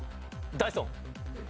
ダイソン。